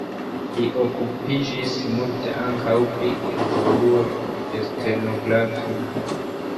Li okupiĝis multe ankaŭ pri evoluo de stenografio.